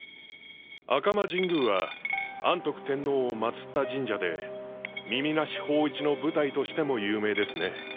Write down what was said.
赤間神宮は安徳天皇を祀った神社で耳なし芳一の舞台としても有名ですね。